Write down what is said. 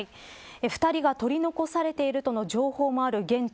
２人が取り残されているとの情報がある現地。